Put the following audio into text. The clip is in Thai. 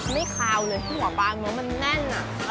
ไม่ขาวเลยหัวปลาเนื้อมันแน่นอ่ะ